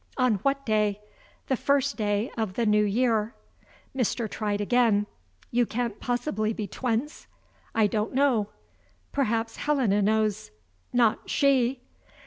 "On what day?" "The first day of the New Year." Mr. tried again: "You can't possibly be twins?" "I don't know." "Perhaps Helena knows?" "Not she!"